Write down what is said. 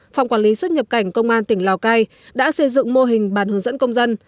phòng quản lý xuất nhập cảnh công an tỉnh lào cai đã xây dựng mô hình bàn hướng dẫn công dân